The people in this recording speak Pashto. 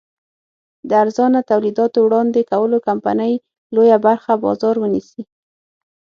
د ارزانه تولیداتو وړاندې کولو کمپنۍ لویه برخه بازار ونیسي.